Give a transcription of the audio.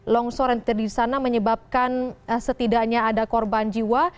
longsor yang terjadi di sana menyebabkan setidaknya ada korban jiwa